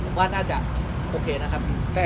ผมว่าน่าจะโอเคนะครับ